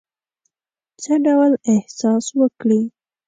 څه ډول احساس وکړی.